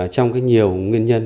trong nhiều nguyên nhân